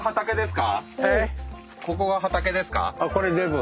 ここが畑ですか？